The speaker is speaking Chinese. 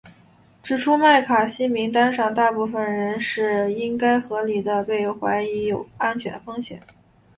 指出麦卡锡名单上大部分人是应该合理地被怀疑有安全风险。